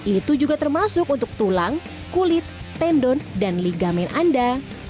itu juga termasuk untuk tulang kulit tendon dan ligamen anda